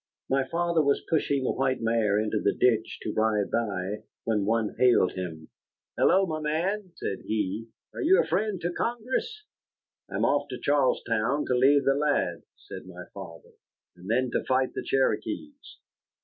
My father was pushing the white mare into the ditch to ride by, when one hailed him. "Hullo, my man," said he, "are you a friend to Congress?" "I'm off to Charlestown to leave the lad," said my father, "and then to fight the Cherokees."